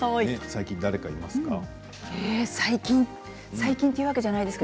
最近、誰かいますか？